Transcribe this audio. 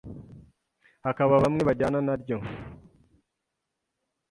hakaba bamwe bajyana naryo,